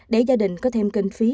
để gia đình có thêm kinh phí